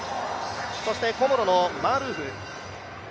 そしてコモロのマールフー。